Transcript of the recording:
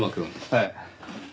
はい。